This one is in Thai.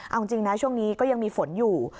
เอาจริงนะช่วงนี้ก็ยังมีฝนอยู่